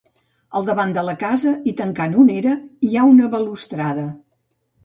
Al davant de la casa, i tancant una era, hi ha una balustrada.